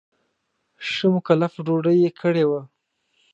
ښه مکلفه ډوډۍ یې کړې وه.